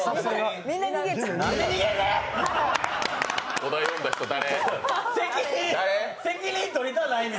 小田呼んだ人、誰？